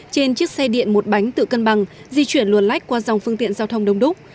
trên chiếc xe điện một bánh tự cân bằng di chuyển luồn lách qua dòng phương tiện giao thông đông đúc